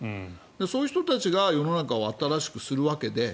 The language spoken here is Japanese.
そういう人たちが世の中を新しくするわけで。